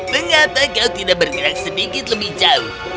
mengapa kau tidak bergerak sedikit lebih jauh